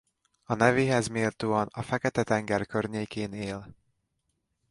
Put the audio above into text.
A nevéhez méltóan a Fekete-tenger környékén él.